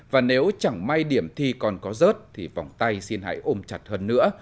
và nếu chẳng may điểm thi còn có rớt thì vòng tay xin hãy ôm chặt hơn nữa